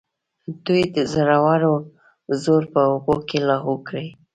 دوی د زورورو زور په اوبو کې لاهو کوي.